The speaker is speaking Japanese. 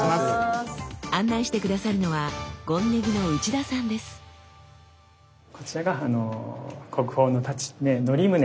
案内して下さるのはこちらが国宝の太刀「銘則宗」でございます。